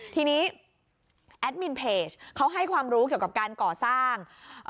ทีนี้แอดมินเพจเขาให้ความรู้เกี่ยวกับการก่อสร้าง